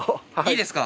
いいですか？